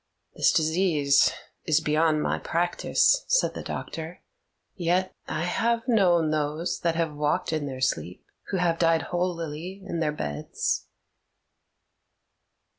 "This disease is beyond my practice," said the doctor: "yet I have known those that have walked in their sleep who have died holily in their beds."